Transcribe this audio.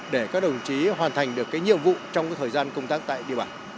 để các đồng chí hoàn thành được cái nhiệm vụ trong thời gian công tác tại địa bàn